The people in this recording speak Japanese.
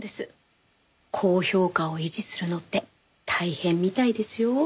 高評価を維持するのって大変みたいですよ。